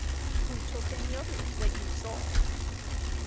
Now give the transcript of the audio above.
Q. Who took any others that you saw?